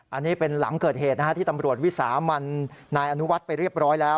อันนี้เป็นหลังเกิดเหตุนะฮะที่ตำรวจวิสามันนายอนุวัฒน์ไปเรียบร้อยแล้ว